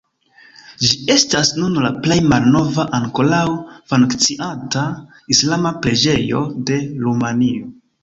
Ĝi estas nun la plej malnova, ankoraŭ funkcianta islama preĝejo de Rumanio.